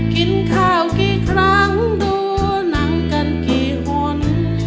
กินข้าวกี่ครั้งดูหนังกันกี่คน